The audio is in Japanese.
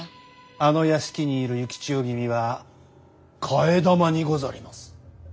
あの屋敷にいる幸千代君は替え玉にござります。